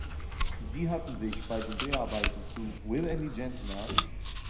Sie hatten sich bei den Dreharbeiten zu "Will Any Gentleman?